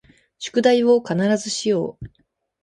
宿題を必ずしよう